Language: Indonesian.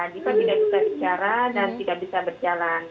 kita tidak bisa bicara dan tidak bisa berjalan